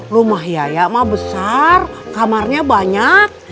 rumah yayak mah besar kamarnya banyak